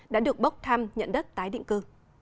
đã được bốc thăm nhận đất tái định cư